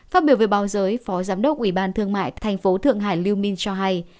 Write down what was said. phát biểu về báo giới phó giám đốc ủy ban thương mại tp thượng hải lưu minh cho hay